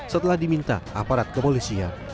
setelah diminta aparat kepolisian